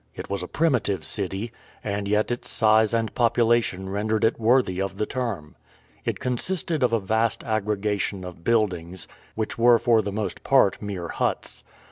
It was a primitive city, and yet its size and population rendered it worthy of the term. It consisted of a vast aggregation of buildings, which were for the most part mere huts.